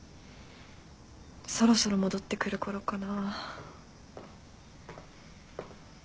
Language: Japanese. そろそろ戻ってくるころかな。